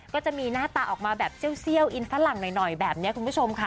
ก็จะมีหน้าตาออกมาแบบเซี่ยวอินฝรั่งหน่อยแบบนี้คุณผู้ชมค่ะ